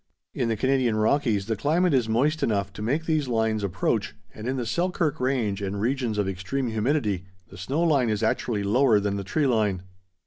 In the Canadian Rockies the climate is moist enough to make these lines approach, and in the Selkirk Range and regions of extreme humidity the snow line is actually lower than the tree line.